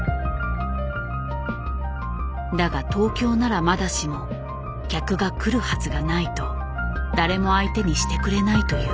だが東京ならまだしも客が来るはずがないと誰も相手にしてくれないという。